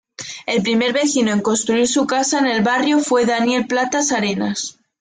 El primer vecino en construir su casa en el barrio fue Daniel Platas Arenas.